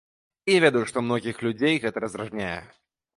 І я ведаю, што многіх людзей гэта раздражняе.